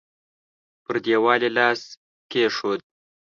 پر دېوال يې لاس کېښود.